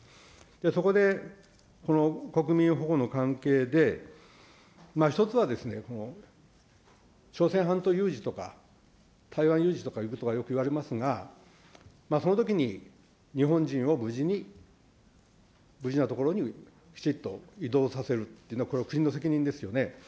そこでこの国民保護の関係で、１つは朝鮮半島有事とか、台湾有事とかいうことがよくいわれますが、そのときに日本人を無事に、無事な所にきちっと移動させる、これは国の責任ですよね。